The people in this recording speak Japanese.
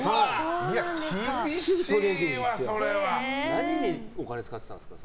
何にお金使ってたんですか？